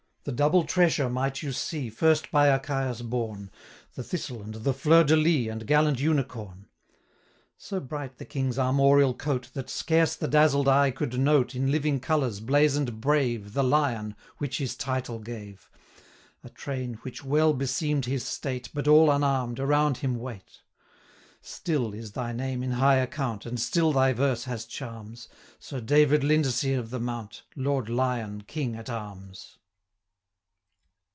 140 The double tressure might you see, First by Achaius borne, The thistle and the fleur de lis, And gallant unicorn. So bright the King's armorial coat, 145 That scarce the dazzled eye could note, In living colours, blazon'd brave, The Lion, which his title gave; A train, which well beseem'd his state, But all unarm'd, around him wait. 150 Still is thy name in high account, And still thy verse has charms, Sir David Lindesay of the Mount, Lord Lion King at arms!